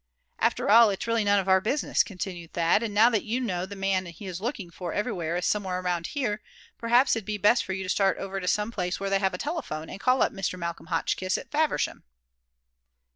"After all, it's really none of our business," continued Thad; "and now that you know the man he is looking for everywhere is somewhere around here, perhaps it'd be best for you to start over to some place where they have a telephone, and call up Mr. Malcolm Hotchkiss at Faversham."